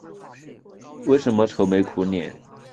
为什么愁眉苦脸？